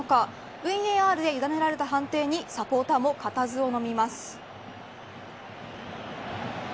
ＶＡＲで委ねられた判定に、サポーターも固唾をのみます。